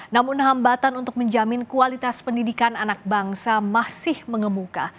namun hambatan untuk menjamin kualitas pendidikan anak bangsa masih mengemuka